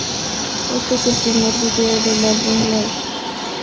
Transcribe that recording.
Este es el primer vídeo del álbum Life.